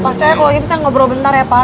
maksudnya kalau gitu saya ngobrol bentar ya pak